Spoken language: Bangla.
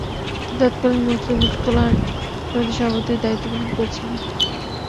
তিনি তৎকালীন মুসলিম স্কলার সমিতির সভাপতির দায়িত্ব পালন করেছিলেন।